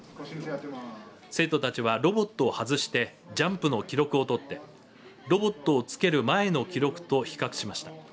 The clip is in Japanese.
生徒たちは、ロボットを外してジャンプの記録を取ってロボットをつける前の記録と比較しました。